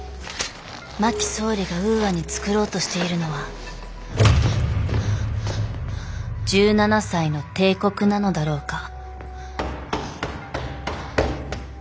真木総理がウーアに創ろうとしているのは１７才の帝国なのだろうか。